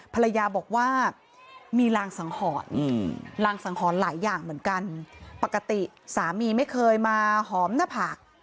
ภรรยาบอกว่ามีรางสังหรณ์รางสังหรณ์หลายอย่างเหมือนกันปกติสามีไม่เคยมาหอมหน้าผาก